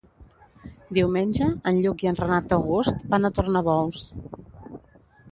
Diumenge en Lluc i en Renat August van a Tornabous.